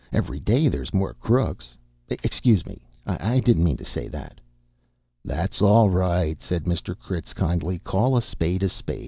Every day there's more crooks excuse me, I didn't mean to say that." "That's all right," said Mr. Critz kindly. "Call a spade a spade.